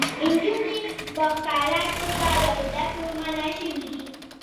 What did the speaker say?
نجونې په ښکاره توګه له زده کړو منع شوې دي.